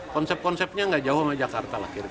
konsep konsepnya tidak jauh dengan jakarta